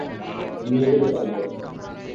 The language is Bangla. নিয়ে যেতে পারবেন।